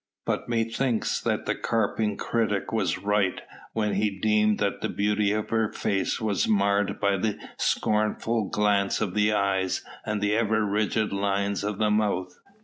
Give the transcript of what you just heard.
But methinks that the carping critic was right when he deemed that the beauty of her face was marred by the scornful glance of the eyes and the ever rigid lines of the mouth.